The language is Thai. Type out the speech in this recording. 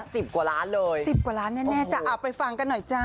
พี่ตีเขาบอกว่า๑๐กว่าล้านเลยเอาไปฟังกันหน่อยจ๊ะโอโห